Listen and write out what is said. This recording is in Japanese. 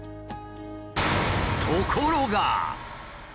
ところが。